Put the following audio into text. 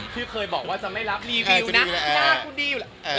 ที่เคยบอกจะไม่รับรีวิวหล้ากุหรี่